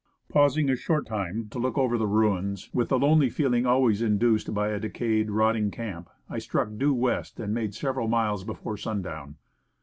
Pausing a short time to look over the ruins, with the lonely feeling always induced by a decayed, rot ting camp, I struck due west and made several miles before sundown.